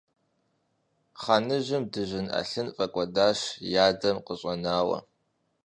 Хъаныжьым дыжьын ӏэлъын фӀэкӀуэдащ и адэм къыщӀэнауэ.